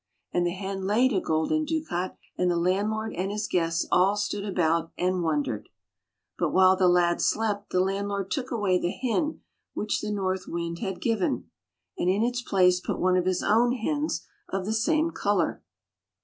And the hen laid a golden ducat, and the landlord and his guests all stood about and wondered. But while the lad slept, the landlord took away the hen which North Wind had given, [121 ] FAVORITE FAIRY TALES RETOLD and in its place put one of his own hens of the same color.